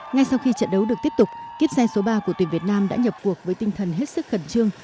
ngay sau khi trận đấu được tiếp tục kiếp xe số ba của tuyển việt nam đã nhập cuộc với tinh thần hết sức khẩn trương